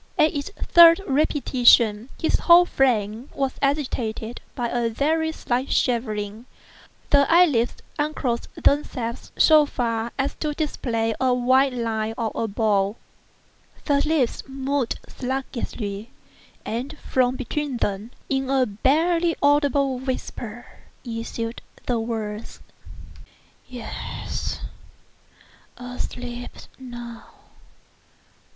At its third repetition, his whole frame was agitated by a very slight shivering; the eyelids unclosed themselves so far as to display a white line of the ball; the lips moved sluggishly, and from between them, in a barely audible whisper, issued the words: "Yes;—asleep now.